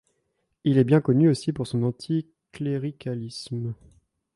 Il est bien connu aussi pour son anti-cléricalisme.